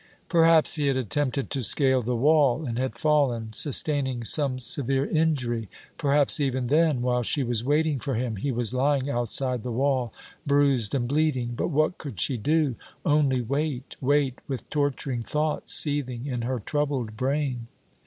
Perhaps he had attempted to scale the wall and had fallen, sustaining some severe injury! Perhaps even then, while she was waiting for him, he was lying outside the wall, bruised and bleeding! But what could she do? Only wait, wait, with torturing thoughts seething in her troubled brain.